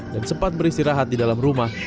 dan sempat beristirahat di dalam rumah